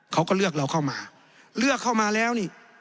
เขาก็เลือกเราเข้ามาเลือกเข้ามาแล้วนี่